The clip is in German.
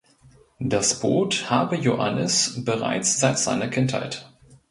Das Boot habe Joannis bereits seit seiner Kindheit.